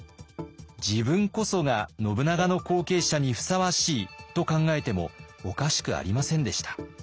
自分こそが信長の後継者にふさわしいと考えてもおかしくありませんでした。